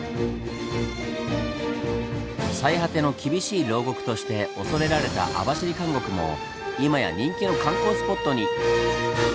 最果ての厳しいろう獄として恐れられた網走監獄も今や人気の観光スポットに！